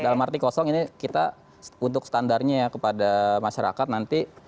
dalam arti kosong ini kita untuk standarnya kepada masyarakat nanti